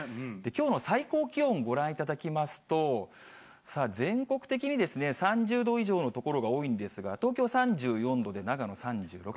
きょうの最高気温ご覧いただきますと、全国的に３０度以上の所が多いんですが、東京３４度で、長野３６度。